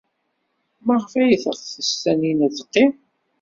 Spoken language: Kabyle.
Maɣef ay teɣtes Taninna ad teqqim?